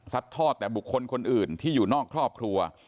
ทอดแต่บุคคลคนอื่นที่อยู่นอกครอบครัว